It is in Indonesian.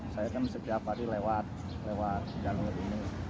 saya kan setiap hari lewat jalur ini